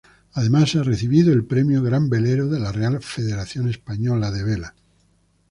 Además ha recibido el premio Gran Velero de la Real Federación Española de Vela.